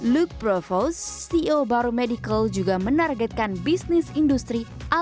luke provost ceo baru medical juga menargetkan bisnis industrial